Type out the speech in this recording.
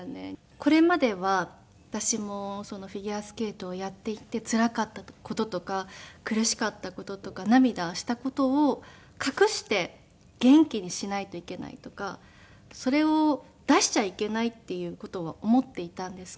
これまでは私もフィギュアスケートをやっていてつらかった事とか苦しかった事とか涙した事を隠して元気にしないといけないとかそれを出しちゃいけないっていう事は思っていたんですけど。